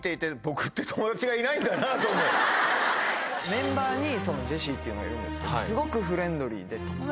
メンバーにジェシーっていうのがいるんですけどすごく。